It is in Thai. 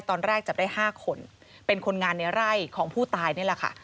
ตอนแรกจับได้๕คนเป็นคนงานในไร่ของผู้ตายนี่แหละค่ะ